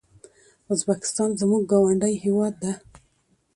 ازبکستان زموږ ګاونډی هيواد ده